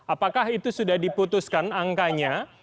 apakah itu sudah diputuskan angkanya